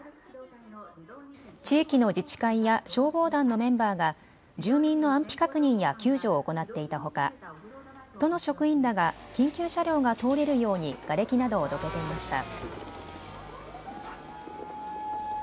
地域の自治会や消防団のメンバーが住民の安否確認や救助を行っていたほか、都の職員らが緊急車両が通れるようにがれきなどをどけていました。